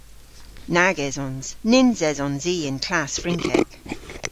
Nag esons. Nyns esons i y'n klass Frynkek.